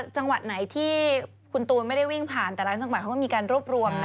จังหวัดไหนที่คุณตูนไม่ได้วิ่งผ่านแต่ละจังหวัดเขาก็มีการรวบรวมนะ